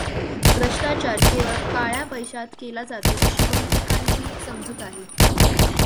भ्रष्टाचार केवळ काळ्या पैशात केला जातो, अशी बहुतेकांची समजूत आहे.